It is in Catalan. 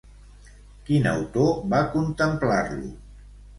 Quin autor va contemplar-lo?